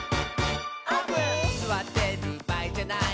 「すわってるばあいじゃない」